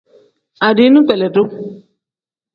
Adiini kpelendu.